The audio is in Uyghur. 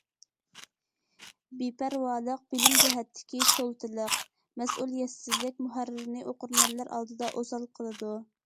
بىپەرۋالىق، بىلىم جەھەتتىكى چولتىلىق، مەسئۇلىيەتسىزلىك مۇھەررىرنى ئوقۇرمەنلەر ئالدىدا ئوسال قىلىدۇ.